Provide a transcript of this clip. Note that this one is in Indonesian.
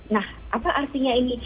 nah apa artinya ini